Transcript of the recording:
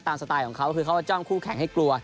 สไตล์ของเขาคือเขาจ้องคู่แข่งให้กลัว